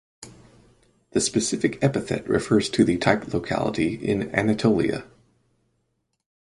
The specific epithet refers to the type locality in Anatolia.